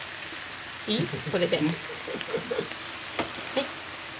はい。